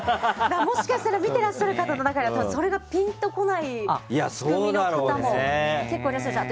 もしかしたら見てらっしゃる方の中にはそれがぴんと来ない仕組みの方も結構いらっしゃいますし。